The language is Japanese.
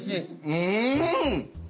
うん！